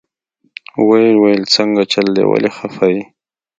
ويې ويل سنګه چل دې ولې خفه يې.